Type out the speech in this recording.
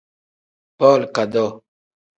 Booli kadoo.